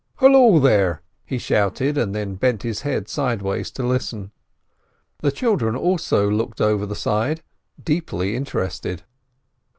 "Halloo there!" he shouted, and then bent his head sideways to listen; the children also looked over the side, deeply interested.